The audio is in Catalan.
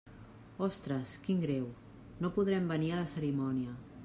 Ostres, quin greu, no podrem venir a la cerimònia.